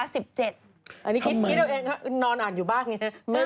อันนี้คิดตัวเองครับนอนอ่านอยู่บ้างนะครับ